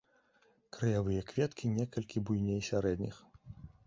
Краявыя кветкі некалькі буйней сярэдніх.